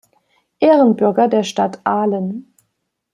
Ehrenbürger der Stadt Ahlen.